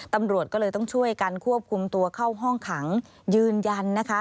ตำรวจก็เลยต้องช่วยกันควบคุมตัวเข้าห้องขังยืนยันนะคะ